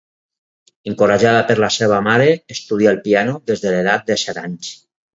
Encoratjada per la seva mare, estudia el piano des de l'edat de set anys.